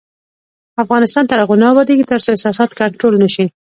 افغانستان تر هغو نه ابادیږي، ترڅو احساسات کنټرول نشي.